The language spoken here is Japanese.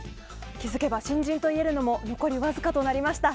気づけば新人といえるのも残りわずかになりました。